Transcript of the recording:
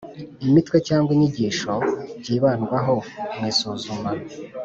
Imitwe cyangwa inyigisho byibandwaho mu isuzuma;